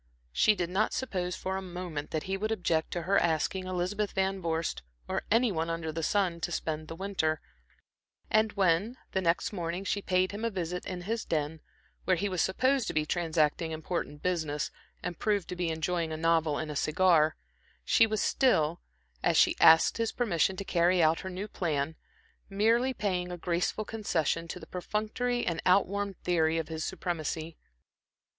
She did not suppose for a moment that he would object to her asking Elizabeth Van Vorst, or any one under the sun, to spend the winter, and when, the next morning, she paid him a visit in his den, where he was supposed to be transacting important business, and proved to be enjoying a novel and a cigar, she was still, as she asked his permission to carry out her new plan, merely paying a graceful concession to the perfunctory and outworn theory of his supremacy.